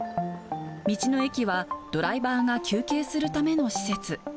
道の駅は、ドライバーが休憩するための施設。